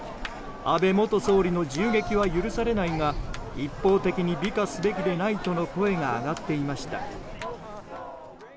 安倍元総理の銃撃は許されないが一方的に美化すべきでないとの声が上がっていました。